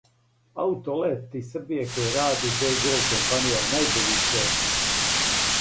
Аутолет из Србије који ради ДГолд компанија је најбољи у свету!